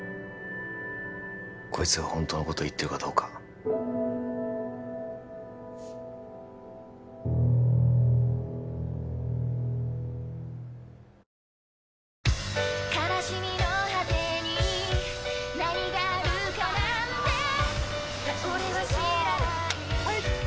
こいつが本当のこと言ってるかどうかプシューッ！